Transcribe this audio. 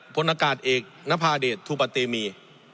พลอากาศเอกนภาเดชทูปะเตมี